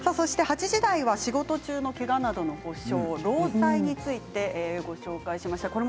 ８時台は仕事中のけがなどの補償労災についてご紹介しました。